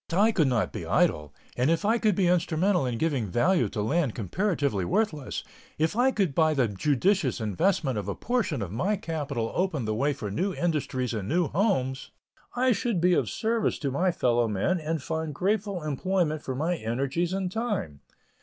But I could not be idle, and if I could be instrumental in giving value to land comparatively worthless; if I could by the judicious investment of a portion of my capital open the way for new industries and new homes, I should be of service to my fellow men and find grateful employment for my energies and time.